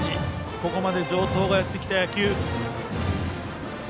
ここまで城東がやってきた野球。